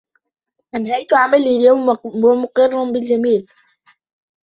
انهيت عملي اليوم ،و مقر بالجميل.